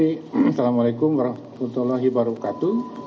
assalamu alaikum warahmatullahi wabarakatuh